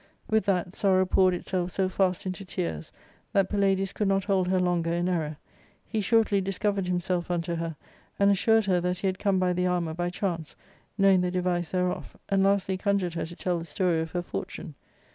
With that, sorrow poured itself so fast into tears that Palladius could not hold her longer in error; he shortly discovered himself unto her, and assured her that he had come by the armour by chance, knowing the device thereof, and lastly conjured her to tell the story of her fortune.